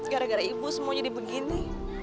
gara gara ibu semua jadi begini